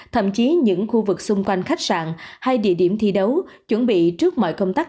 thậm chí những khu vực xung quanh khách sạn hay địa điểm thi đấu chuẩn bị trước mọi công tác